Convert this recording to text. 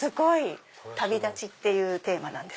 「旅立ち」っていうテーマなんです。